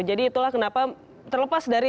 jadi itulah kenapa terlepas dari